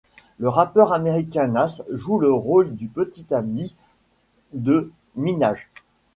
Le rappeur américain Nas joue le rôle du petit ami de Minaj.